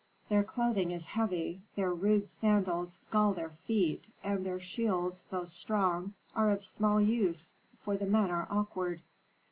Their clothing is heavy, their rude sandals gall their feet, and their shields, though strong, are of small use, for the men are awkward.'"